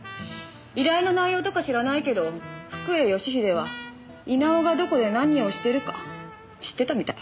依頼の内容とか知らないけど福栄義英は稲尾がどこで何をしてるか知ってたみたい。